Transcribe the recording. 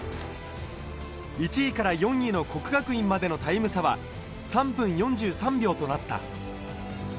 １位から４位の國學院までのタイム差は３分４３秒となった。